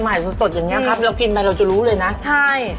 เขาทำใหม่สดอย่างนี้ครับเรากินไทยเราจะรู้เลยนะใช่